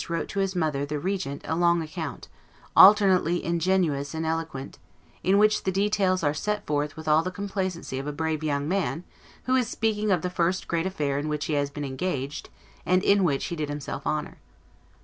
wrote to his mother the regent a long account, alternately ingenuous and eloquent, in which the details are set forth with all the complacency of a brave young man who is speaking of the first great affair in which he has been engaged and in which he did himself honor.